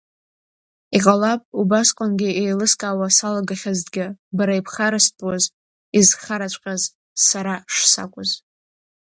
Иҟалап, убасҟангьы еилыскаауа салагахьазҭгьы, бара ибхарастәуаз изхараҵәҟьаз сара шсакәыз.